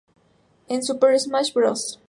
En "Super Smash Bros.